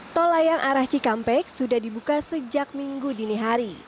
tol layang arah cikampek sudah dibuka sejak minggu dinihari